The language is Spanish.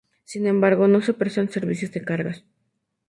Sin embargo, no se prestan servicios de cargas.